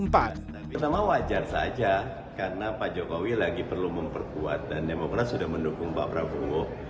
pertama wajar saja karena pak jokowi lagi perlu memperkuat dan demokrat sudah mendukung pak prabowo